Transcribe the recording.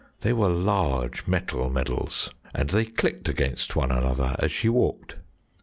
They were large metal medals and they clicked against one another as she walked.